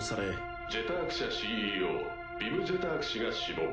「ジェターク社」ＣＥＯヴィム・ジェターク氏が死亡。